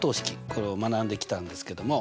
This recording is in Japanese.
これを学んできたんですけども。